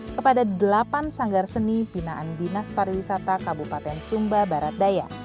kepada delapan sanggar seni pinaan dinas pariwisata kabupaten sumba barat daya